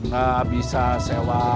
gak bisa sewa